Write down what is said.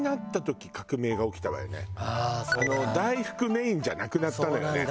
大福メインじゃなくなったのよね。